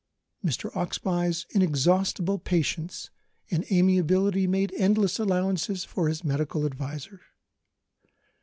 Mr. Oxbye's inexhaustible patience and amiability made endless allowances for his medical advisor.